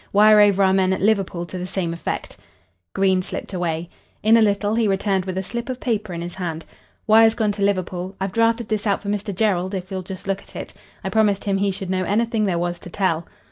Wire over our men at Liverpool to the same effect." Green slipped away. In a little he returned with a slip of paper in his hand. "Wire's gone to Liverpool. I've drafted this out for Mr. Jerrold, if you'll just look at it. I promised him he should know anything there was to tell."